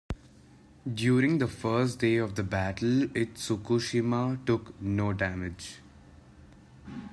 During the first day of the battle, "Itsukushima" took no damage.